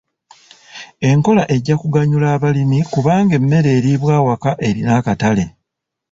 Enkola ejja kuganyula abalimi kubanga emmere eriibwa awaka erina akatale.